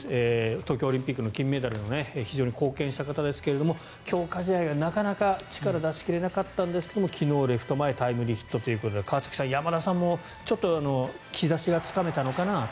東京オリンピックの金メダルに非常に貢献した方ですが強化試合がなかなか力を出し切れなかったんですが昨日、レフト前にタイムリーヒットということで川崎さん、山田さんもちょっと兆しがつかめたのかなと。